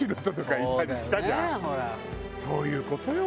そういう事よ